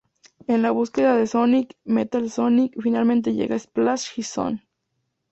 En la búsqueda de Sonic, Metal Sonic finalmente llega Splash Hill Zone.